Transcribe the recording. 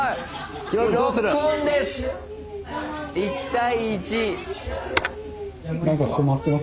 １対１。